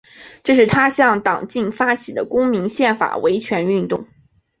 这是他向党禁发起的公民宪法维权行动。